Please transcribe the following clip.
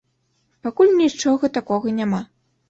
Пакуль нічога такога няма.